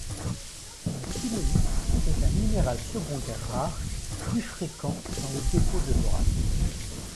La tunellite est un minéral secondaire rare, plus fréquent dans les dépôts de borates.